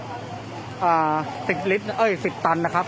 มันก็ไม่ต่างจากที่นี่นะครับ